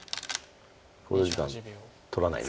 考慮時間取らないね。